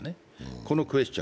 このクエスチョン。